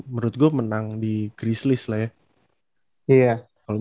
menurut gue menang di chrisleys lah ya